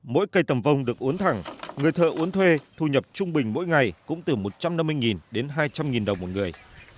mỗi cây tầm vông được uốn thẳng người thợ uốn thuê thu nhập trung bình mỗi ngày cũng từ một trăm năm mươi đến hai trăm linh đồng một người